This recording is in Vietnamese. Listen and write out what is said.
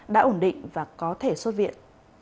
đã ổn định và có thể xuất viện